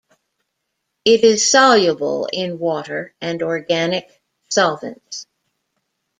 It is soluble in water and organic solvents.